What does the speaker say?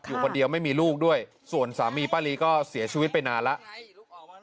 อยู่คนเดียวไม่มีลูกด้วยส่วนสามีป้าลีก็เสียชีวิตไปนานแล้ว